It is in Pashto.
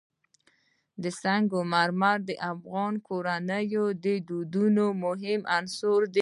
سنگ مرمر د افغان کورنیو د دودونو مهم عنصر دی.